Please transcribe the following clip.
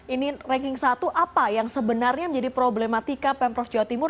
ini ranking satu apa yang sebenarnya menjadi problematika pemprov jawa timur